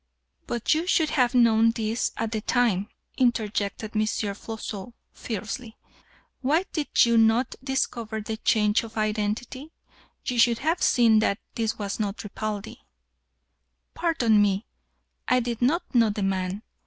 "But you should have known this at the time," interjected M. Floçon, fiercely. "Why did you not discover the change of identity? You should have seen that this was not Ripaldi." "Pardon me. I did not know the man.